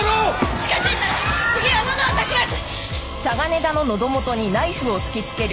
近づいたら次はのどを刺します！